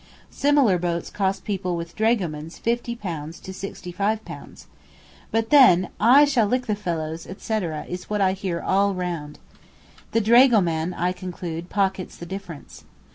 Similar boats cost people with dragomans £50 to £65. But, then, 'I shall lick the fellows,' etc., is what I hear all round. The dragoman, I conclude, pockets the difference.